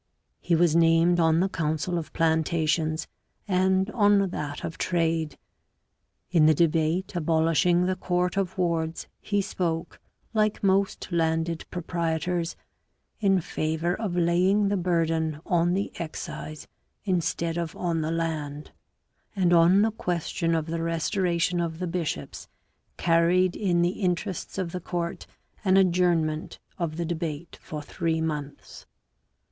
He was named on the council of plantations and on that of trade. In the debate abolishing the court of wards he spoke, like most landed proprietors, in favour of laying the burden on the excise instead of on the land, and on the question of the restoration of the bishops carried in the interests of the court an adjourn ment of the debate for three months.